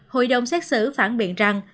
hội đồng xét xử phản biện rằng